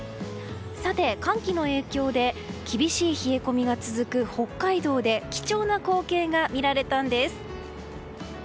さて、寒気の影響で厳しい冷え込みが続く北海道で貴重な光景が見られたんです。